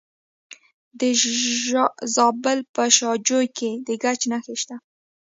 د زابل په شاجوی کې د ګچ نښې شته.